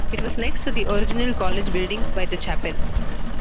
It was next to the original college buildings by the chapel.